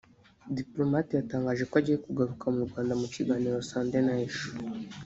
Diplomate yatangaje ko agiye kugaruka mu Rwanda mu kiganiro "Sunday Night"